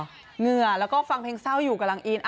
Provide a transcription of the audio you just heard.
เหงื่อแล้วก็ฟังเพลงเศร้าอยู่กำลังอิน